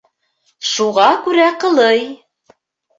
Шуға күрә ҡылый